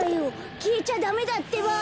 きえちゃダメだってば！